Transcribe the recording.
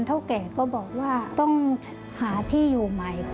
เท่าแก่ก็บอกว่าต้องหาที่อยู่ใหม่